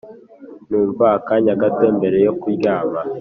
numva akanya gato mbere yo kuryama,